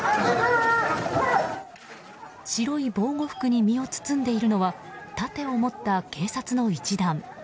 白い防護服に身を包んでいるのは盾を持った警察の一団。